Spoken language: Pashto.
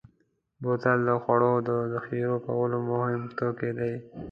بوتل د خوړو د ذخیره کولو مهم توکی دی.